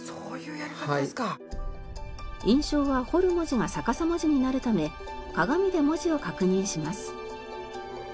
印章は彫る文字が逆さ文字になるため鏡で文字を確認します。